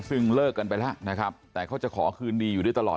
ซึ่งเลิกกันไปแล้วนะครับแต่เขาจะขอคืนดีอยู่ด้วยตลอด